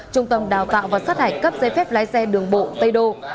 trung tâm đào tạo và sát hạch cấp giấy phép lái xe đường bộ tây đô